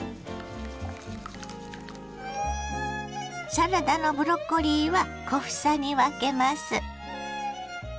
サラダのブロッコリーは小房に分けます。